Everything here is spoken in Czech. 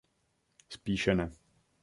Spíše ne.